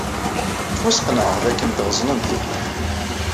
Ttwasqenɛeɣ dakken tɣeẓnemt.